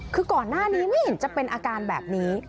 คือก่อนหน้านี้ไม่เห็นจะเป็นอาการแบบนี้